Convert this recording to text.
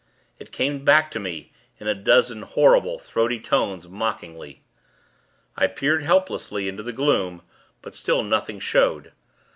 It came back to me, in a dozen, horrible, throaty tones, mockingly. I peered, helplessly, into the gloom; but still nothing showed.